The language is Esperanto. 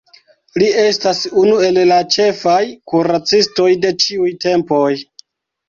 Li estas unu el la ĉefaj kuracistoj de ĉiuj tempoj.